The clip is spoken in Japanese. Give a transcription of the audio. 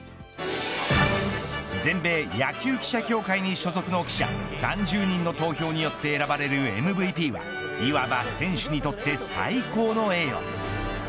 全米野球記者協会に所属の記者３０人の投票によって選ばれるＭＶＰはいわば選手にとって最高の栄誉。